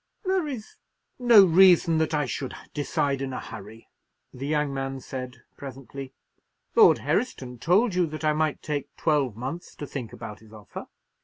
"There is no reason that I should decide in a hurry," the young man said, presently. "Lord Herriston told you that I might take twelve months to think about his offer."